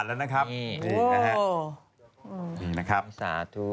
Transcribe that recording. ซาดู